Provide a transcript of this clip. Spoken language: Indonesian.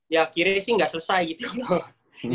ya akhirnya sih nggak selesai gitu loh